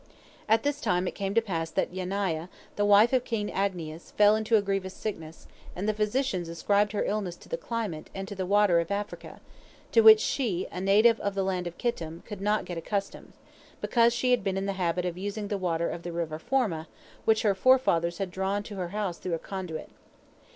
At this time it came to pass that Yaniah, the wife of King Agnias, fell into a grievous sickness, and the physicians ascribed her illness to the climate, and to the water of Africa, to which she, a native of the land of Kittim, could not get accustomed, because she had been in the habit of using the water of the river Forma, which her forefathers had drawn to her house through a conduit.